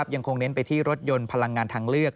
ยังคงเน้นไปที่รถยนต์พลังงานทางเลือก